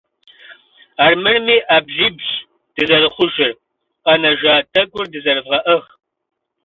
Армырми Ӏэбжьыбщ дызэрыхъужыр, къэнэжа тӀэкӀур дызэрывгъэӏыгъ!